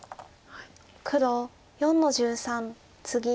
黒４の十三ツギ。